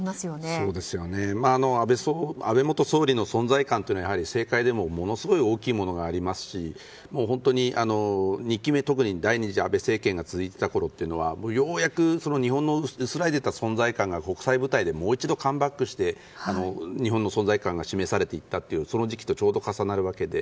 そうですよね、やはり安倍元総理の存在感というのは政界でも、ものすごい大きいものがありますし第２次安倍政権が続いていたころというのはようやく、日本の薄らいでいた存在感が国際舞台でもう一度カムバックして日本の存在感が示されていったというその時期とちょうど重なるわけで。